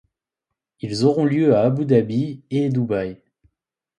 Ils auront lieu à Abu Dhabi et Dubai.